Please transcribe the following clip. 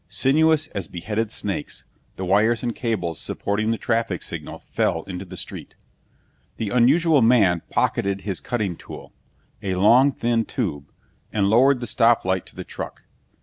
Sinuous as beheaded snakes, the wires and cables supporting the traffic signal fell into the street. The unusual man pocketed his cutting tool a long thin tube and lowered the stop light to the truck.